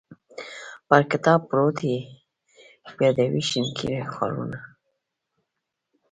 پر کتاب پروت یې یادوې شینکي خالونه